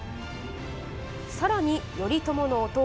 さらに頼朝の弟